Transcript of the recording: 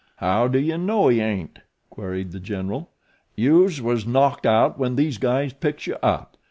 "How do you know he ain't?" queried The General. "Youse was knocked out when these guys picks you up.